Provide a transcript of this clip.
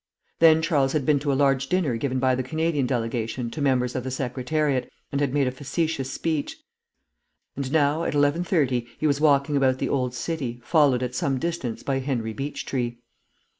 Then Charles had been to a large dinner given by the Canadian delegation to members of the Secretariat, and had made a facetious speech; and now, at eleven thirty, he was walking about the old city, followed at some distance by Henry Beechtree.